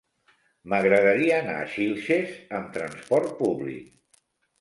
M'agradaria anar a Xilxes amb transport públic.